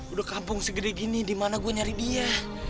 udah kampung segini gini di mana gue nyari dia